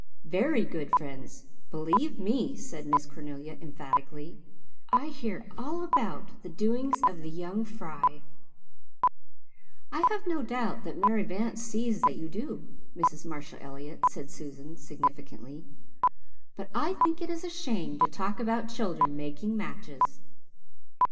"Very good friends, believe me," said Miss Cornelia emphatically. "I hear all about the doings of the young fry." "I have no doubt that Mary Vance sees that you do, Mrs. Marshall Elliott," said Susan significantly, "but I think it is a shame to talk about children making matches."